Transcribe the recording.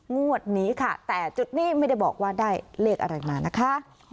งวดนี้ค่ะแต่จุดนี้ไม่ได้บอกว่าได้เลขอะไรมานะคะ